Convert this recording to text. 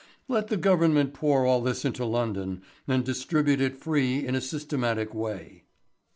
Let the Government pour all this into London and distribute it free in a systematic way.